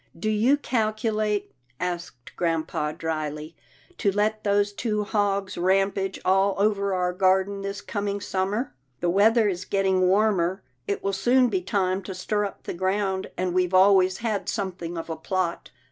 " Do you calculate," asked grampa, dryly, " to let those two hogs rampage all over our garden this coming summer? The weather is getting warmer. It will soon be time to stir up the ground, and we've always had something of a plot."